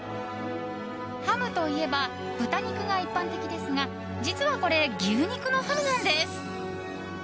ハムといえば豚肉が一般的ですが実はこれ、牛肉のハムなんです。